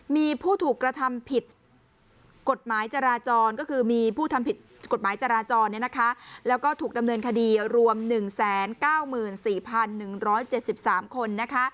มีผู้ถูกกระทำผิดกฎหมายจราจรและถูกดำเนินคดีรวม๑๙๔๑๗๓คน